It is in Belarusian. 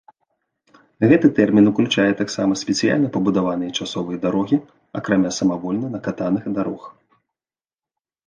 Гэты тэрмін уключае таксама спецыяльна пабудаваныя часовыя дарогі, акрамя самавольна накатаных дарог.